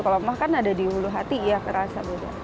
kalau emah kan ada di ulu hati ya kerasa